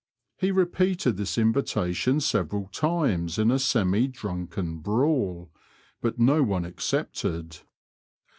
He repeated this invita tation several times in a semi drunken brawl, but no one accepted.